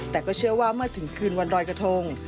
แต่ก็เชื่อว่าเมื่อถึงคืนวันรอยกระทง